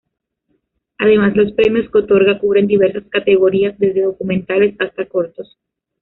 Además los premios que otorga cubren diversas categorías, desde documentales hasta cortos.